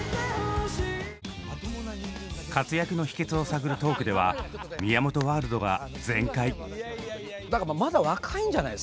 活躍の秘けつを探るトークでは宮本ワールドが全開！